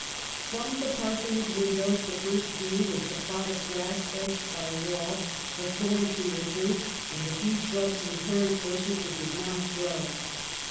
" From the Parsonage windows the first view was the plot of grass edged by a wall, a thorn tree or two, and a few shrubs and currant bushes that did not grow.